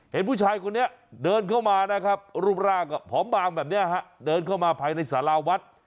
เห็นผู้ชายคนนี้เดินเข้ามานะครับรูปร่างก็ผอมบางแบบนี้ฮะเดินเข้ามาภายในสาราวัด